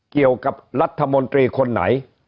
เกี่ยวกับรัฐมนตรีคนไหน